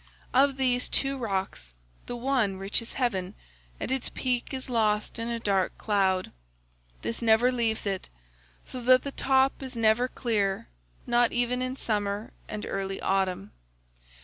"'Of these two rocks the one reaches heaven and its peak is lost in a dark cloud. This never leaves it, so that the top is never clear not even in summer and early autumn.